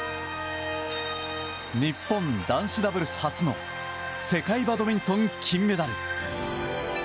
日本男子ダブルス初の世界バドミントン金メダル。